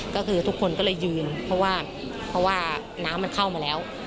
ก็คือทุกคนก็เลยยืนเพราะว่าเพราะว่าน้ำมันเข้ามาแล้ว